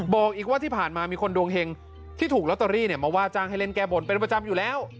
บอกอีกว่าที่ผ่านมามีคนดวงเห็งที่ถูกลอตเตอรี่มาว่าจ้างให้เล่นแก้บนเป็นประจำอยู่แล้ว